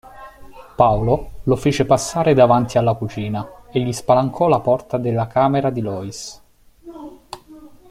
Paolo lo fece passare davanti alla cucina e gli spalancò la porta della camera di Lois.